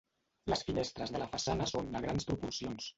Les finestres de la façana són de grans proporcions.